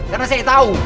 karena saya tahu